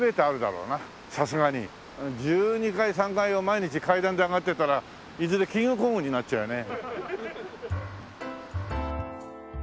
１２階１３階を毎日階段で上がってたらいずれキングコングになっちゃうよね。